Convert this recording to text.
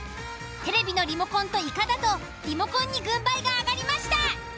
テレビのリモコンとイカだとリモコンに軍配が上がりました。